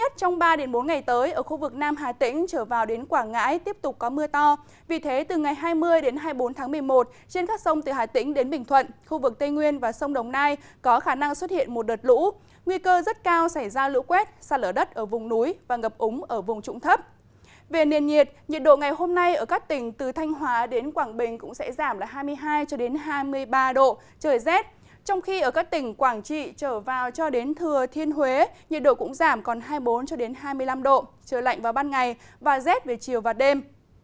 trong khi ở các tỉnh quảng trị trở vào cho đến thừa thiên huế nhiệt độ cũng giảm còn hai mươi bốn hai mươi năm độ trời lạnh vào ban ngày và rét về chiều và đêm